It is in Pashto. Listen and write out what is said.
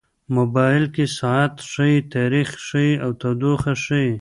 موبایل کې ساعت ښيي، تاریخ ښيي، او تودوخه ښيي.